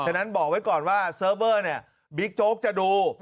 ฉะนั้นบอกไว้ก่อนว่าเซิร์ฟเวอร์เนี่ยบิ๊กโจ๊กจะดู